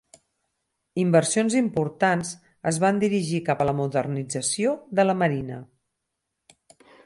Inversions importants es van dirigir cap a la modernització de la marina.